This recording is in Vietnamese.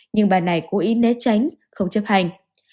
nhưng bà này cố ý né tránh không chấp hành